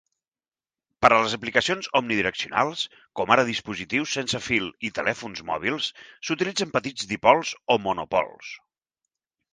Per a les aplicacions omnidireccionals, com ara dispositius sense fil i telèfons mòbils, s'utilitzen petits dipols o monopols.